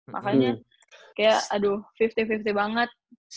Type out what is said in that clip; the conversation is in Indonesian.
makanya kayak aduh lima puluh lima puluh banget